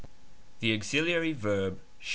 The auxiliary verb ,jj i.